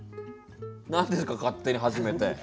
何ですか勝手に始めて。